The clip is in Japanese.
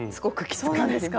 そうなんですか？